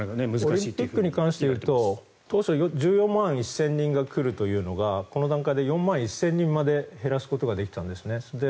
オリンピックに関して言うと当初１４万１０００人が来るということがこの段階で４万１０００人まで減らすことができたんですね。